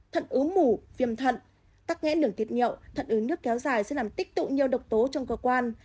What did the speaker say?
thận ứ mủ viêm thận tắc nghẽn nở tiệt nhậu thận ứ nước kéo dài sẽ làm tích tụ nhiều độc tố trong cơ quan